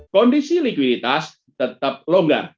kondisi likuiditas tetap longgar